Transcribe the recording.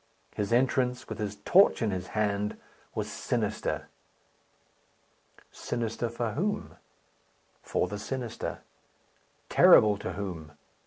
His entrance, with his torch in his hand, was sinister. Sinister for whom? for the sinister. Terrible to whom?